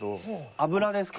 油ですか？